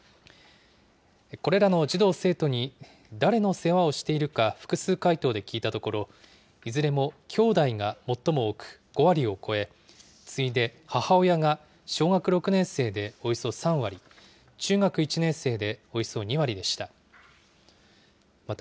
これらの児童・生徒に誰の世話をしているか複数回答で聞いたところ、いずれもきょうだいが最も多く、５割を超え、次いで母親が小学６年生でおよそ３割、中学１年生でおよそ２割でした。